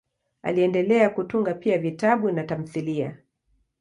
Aliendelea kutunga pia vitabu na tamthiliya.